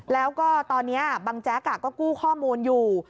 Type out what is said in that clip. แล้วก็ตอนนี้บังแจ๊กก็กู้ข้อมูลอยู่